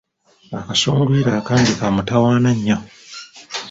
Akasunguyira akangi ka mutawaana nnyo.